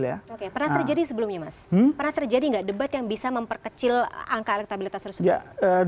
pernah terjadi sebelumnya mas pernah terjadi nggak debat yang bisa memperkecil angka elektabilitas tersebut